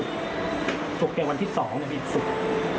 สุดเก่งวันที่สองแล้วก็ฝาปลานมันมีปัญหาในวันหกตอนนี้ก็ไม่กวนที